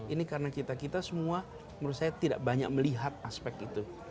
ini karena kita kita semua menurut saya tidak banyak melihat aspek itu